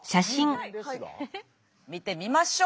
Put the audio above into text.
見てみましょう！